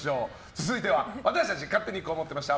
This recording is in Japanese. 続いては私たち勝手にこう思ってました！